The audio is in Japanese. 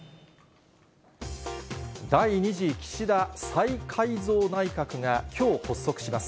第２次岸田再改造内閣がきょう発足します。